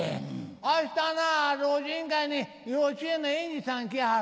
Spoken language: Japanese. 「あしたな老人会に幼稚園の園児さん来はる。